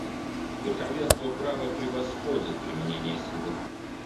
Верховенство права превосходит применение силы.